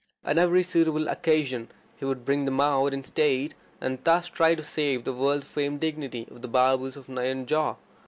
On every suitable occasion he would bring them out in state, and thus try to save the world famed dignity of the Babus of Nayanjore.